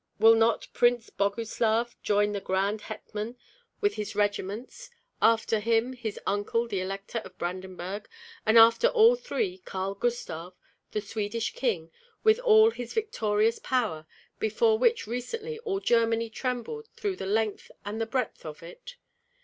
Will not Prince Boguslav join the grand hetman with his regiments, after him his uncle the Elector of Brandenberg, and after all three Karl Gustav, the Swedish king, with all his victorious power, before which recently all Germany trembled through the length and the breadth of it?